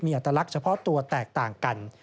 อัตลักษณ์เฉพาะตัวแตกต่างกัน